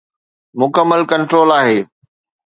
مڪمل ڪنٽرول آهي.